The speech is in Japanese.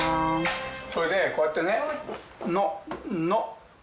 それでこうやってね「の」。